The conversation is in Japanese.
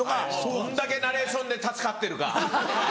どんだけナレーションで助かってるか。